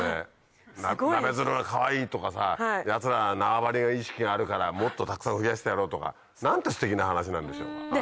ナベヅルがかわいいとかさやつらは縄張り意識があるからもっとたくさん増やしてやろうとか何てステキな話なんでしょうか。